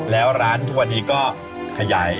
แล้วร้านทุกวันนี้ก็ขยาย